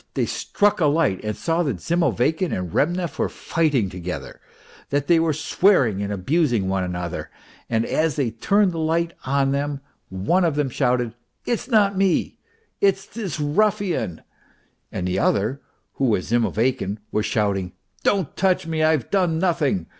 They struck a light and saw that Zimoveykin and Remnev were fighting together, that they were swearing and abusing one another, and as they turned the b'ght on them, one of them shouted : "It's not me, it's this ruffian," and the other who was Zimoveykin, was shouting :" Don't touch me, I've done nothing